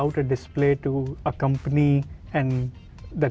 tanpa display untuk perusahaan